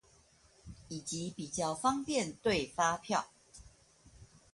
以及比較方便對發票